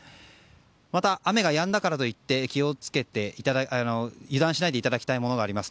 また、雨がやんだからといって油断しないでいただきたいものがあります。